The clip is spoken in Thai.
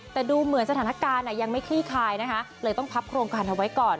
แต่ดูเหมือนสถานการณ์ยังไม่ขี้คายนะคะเลยต้องพับโครงการเอาไว้ก่อน